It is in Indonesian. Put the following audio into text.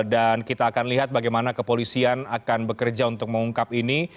dan kita akan lihat bagaimana kepolisian akan bekerja untuk mengungkap ini